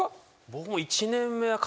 僕も。